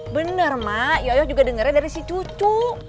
bener mak yoyo juga dengernya dari si cucu